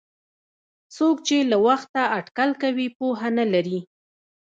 څوک چې له وخته اټکل کوي پوهه نه لري.